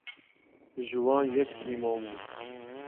Ji wan yek Sîmon bû.